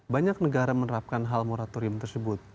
banyak negara menerapkan hal moratorium tersebut